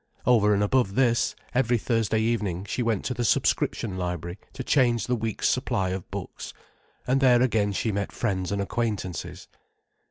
Over and above this, every Thursday evening she went to the subscription library to change the week's supply of books, and there again she met friends and acquaintances.